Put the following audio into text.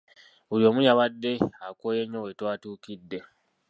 Buli omu yabadde akooye nnyo we twatuukidde.